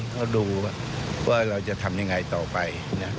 ก็ดูว่าเราจะทำยังไงต่อไปนะ